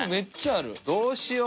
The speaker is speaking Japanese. どうしよう。